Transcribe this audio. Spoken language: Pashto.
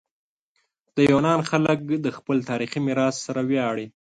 د یونان خلک د خپل تاریخي میراث سره ویاړي.